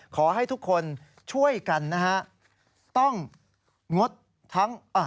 ขอให้ทุกคนช่วยกันนะฮะ